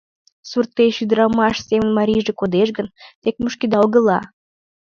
Суртеш ӱдырамаш семын марийже кодеш гын, тек мушкеда огыла.